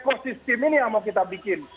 ekosistem ini yang mau kita bikin